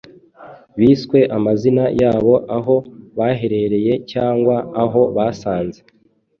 Biswe amazina yabo aho baherereye cyangwa aho basanze